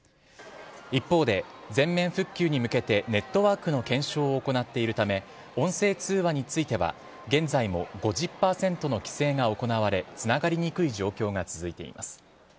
一方で、全面復旧に向けてネットワークの検証を行っているため、音声通話については、現在も５０％の規制が行われ、つながりにくい状況が続いています。